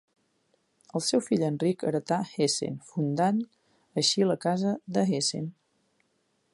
El seu fill Enric heretà Hessen, fundant així la casa de Hessen.